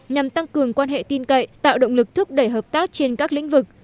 nhằm tăng cường quan hệ tin cậy tạo động lực thúc đẩy hợp tác trên các lĩnh vực